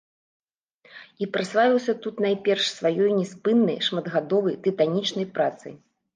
І праславіўся тут найперш сваёй няспыннай, шматгадовай, тытанічнай працай.